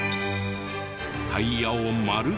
タイヤを丸ごと。